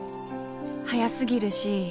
早すぎるし。